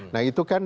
nah itu kan